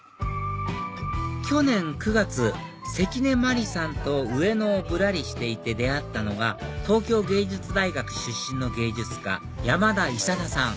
去年９月関根麻里さんと上野をぶらりしていて出会ったのが東京藝術大学出身の芸術家山田勇魚さん